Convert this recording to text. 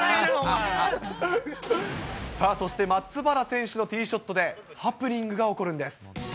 さあ、そして、松原選手のティーショットでハプニングが起こるんです。